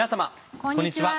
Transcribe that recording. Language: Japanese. こんにちは。